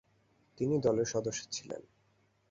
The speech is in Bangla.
তিনি দলের সদস্য ছিলেন।